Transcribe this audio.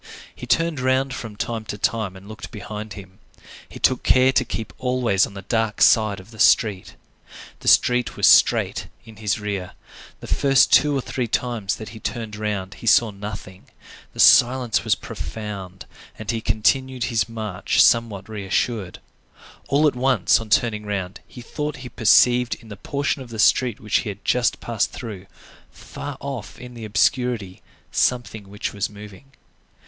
He turned round from time to time and looked behind him. He took care to keep always on the dark side of the street. The street was straight in his rear. The first two or three times that he turned round he saw nothing; the silence was profound, and he continued his march somewhat reassured. All at once, on turning round, he thought he perceived in the portion of the street which he had just passed through, far off in the obscurity, something which was moving.